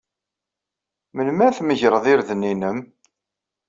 Melmi ad tmegred irden-nnem?